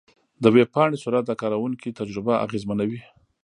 د ویب پاڼې سرعت د کارونکي تجربه اغېزمنوي.